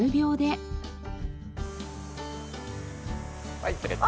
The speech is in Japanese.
はい釣れた。